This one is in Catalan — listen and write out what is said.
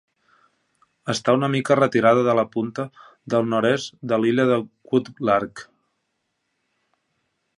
Està una mica retirada de la punta del nord-oest de l'illa de Woodlark.